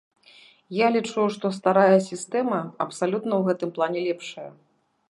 Я лічу, што старая сістэма абсалютна ў гэтым плане лепшая.